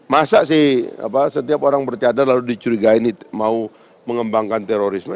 masa sih setiap orang bercadar lalu dicurigai ini mau mengembangkan terorisme